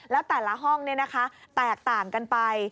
แล้วแต่ละห้องนี่นะคะแตกต่างกันไป